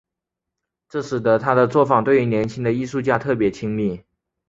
这使得他的作坊对于年轻的艺术家特别亲密。